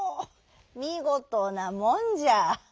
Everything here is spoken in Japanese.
みごとなもんじゃ」。